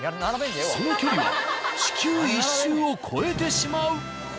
その距離は地球１周を超えてしまう。